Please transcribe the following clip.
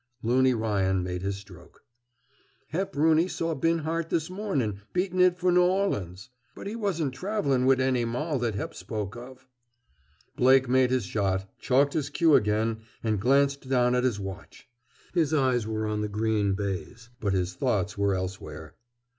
Loony Ryan made his stroke. "Hep Roony saw Binhart this mornin', beatin' it for N' Orleans. But he wasn't travelin' wit' any moll that Hep spoke of." Blake made his shot, chalked his cue again, and glanced down at his watch. His eyes were on the green baize, but his thoughts were elsewhere.